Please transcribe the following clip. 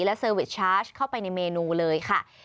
และเซอร์วิชชาชเข้าไปในเมนูเลยค่ะ